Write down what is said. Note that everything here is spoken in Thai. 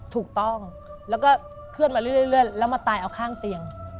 ถูกต้องแล้วก็เคลื่อนมาเรื่อยแล้วมาตายเอาข้างเตียง